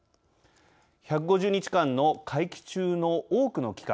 １５０日間の会期中の多くの期間